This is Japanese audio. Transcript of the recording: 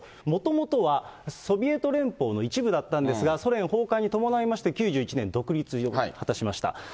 もともとはソビエト連邦の一部だったんですが、ソ連崩壊に伴いまして９１年独立を果たしました。